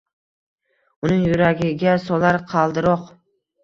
Uning yuragiga solar qaldiroq.